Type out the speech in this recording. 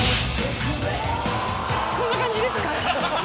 こんな感じですか？